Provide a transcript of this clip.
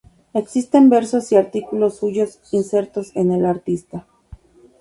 Existen versos y artículos suyos insertos en "El Artista".